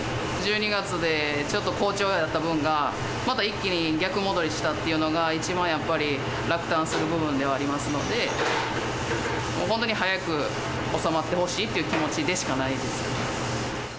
１２月でちょっと好調やった分が、また一気に逆戻りしたっていうのが一番やっぱり落胆する部分ではありますので、もう本当に早く収まってほしいっていう気持ちでしかないです。